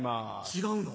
違うの？